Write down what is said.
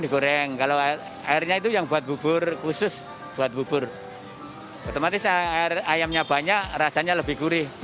digoreng kalau airnya itu yang buat bubur khusus buat bubur otomatis air ayamnya banyak rasanya lebih gurih